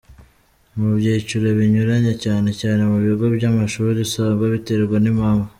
mu byiciro binyuranye cyane cyane mu bigo byamashuri, usanga biterwa nimpamvu.